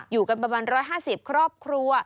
อยู่กันประมาณ๑๕๐ครอบครัว